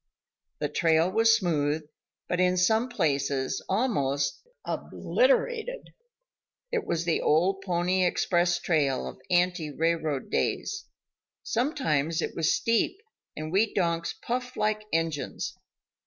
The trail was smooth, but in some places almost obliterated; it was the old pony express trail of ante railroad days. Sometimes it was steep and we donks puffed like engines.